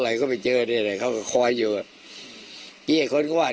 ไม่ว่าจะรอช่าเวลาขาวมา